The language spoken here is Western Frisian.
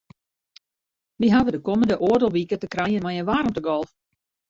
Wy hawwe de kommende oardel wike te krijen mei in waarmtegolf.